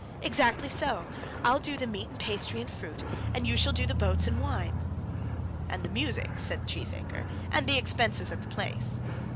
"Exactly so; I'll do the meat and pastry and fruit, and you shall do the boats and the wine." "And the music," said Cheesacre, "and the expenses at the place."